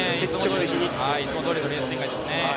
いつもどおりのレース展開ですね。